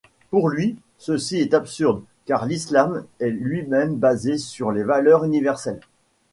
Pour lui, ceci est absurde car l'islam est lui-même basé sur les valeurs universelles.